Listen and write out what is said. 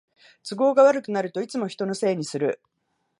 都合が悪くなるといつも人のせいにする